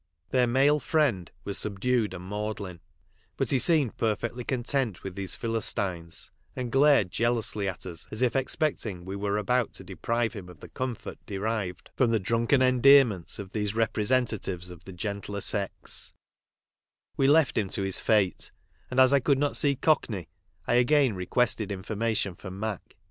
They male "friend" was subdued and maudlin, but h< seemed perfectly content with these Philistines, and glared jealously at us as if expecting we were about to deprive him of the comfort derived from tks CRIMINAL MANCHESTER— CANAL STREET : GINGER LIZ AND COCKNEY JIM, 5*1 drunken endearments of these representatives of the gentler sex. We left him to his fate, and as I could not see Cockney I again requested information from Mac.